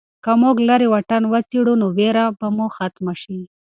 که موږ لیرې واټن وڅېړو نو ویره به مو ختمه شي.